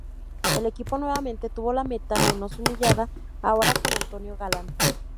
El equipo nuevamente tuvo la meta menos humillada, ahora con Antonio Galán.